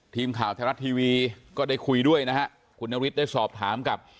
ทีมข่าวไทยรัฐทีวีก็ได้คุยด้วยนะฮะคุณนฤทธิได้สอบถามกับ